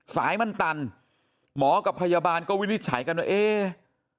สายมันตันหมอกับพยาบาลก็วินิจฉัยกันว่าเอ๊ะ